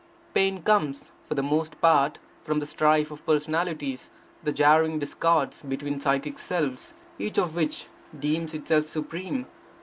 Pain comes, for the most part, from the strife of personalities, the jarring discords between psychic selves, each of which deems itself supreme.